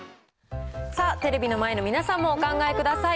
さあ、テレビの前の皆さんもお考えください。